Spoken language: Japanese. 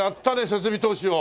設備投資を。